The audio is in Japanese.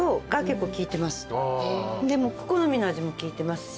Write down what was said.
でもクコの実の味も効いてますし。